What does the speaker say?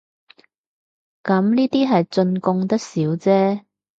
咁呢啲係進貢得少姐